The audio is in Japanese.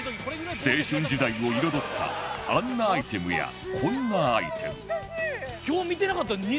青春時代を彩ったあんなアイテムやこんなアイテム